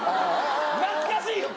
懐かしい。